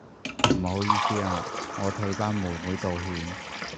唔好意思啊，我替班妹妹道歉